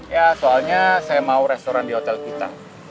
ya soalnya saya mau restoran di hotel kita